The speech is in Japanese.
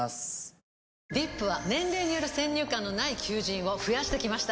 ディップは年齢による先入観のない求人を増やしてきました。